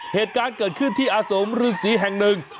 เหตุการณ์เกิดขึ้นที่อาสมฤษีแห่งหนึ่ง